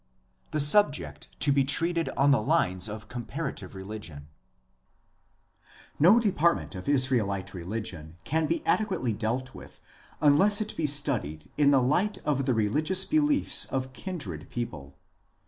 THE SUBJECT TO BE TREATED ON THE LINES OF COMPARATIVE RELIGION No department of Israelite religion can be adequately dealt with unless it be studied in the light of the religious beliefs of kindred peoples.